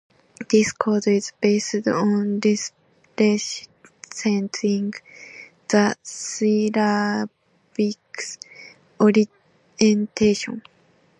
This code is based on representing the syllabics orientation.